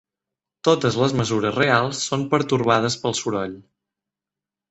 Totes les mesures reals són pertorbades pel soroll.